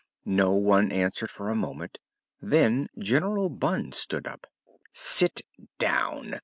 No one answered for a moment. Then General Bunn stood up. "Sit down!"